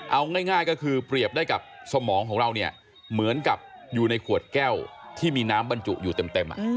เอาง่ายก็คือเปรียบได้กับสมองของเราเนี่ยเหมือนกับอยู่ในขวดแก้วที่มีน้ำบรรจุอยู่เต็ม